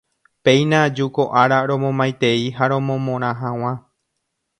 Péina aju ko ára romomaitei ha romomorã hag̃ua.